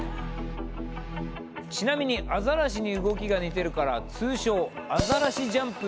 ちなみにアザラシに動きが似てるから通称「アザラシジャンプ」なんて呼ばれている。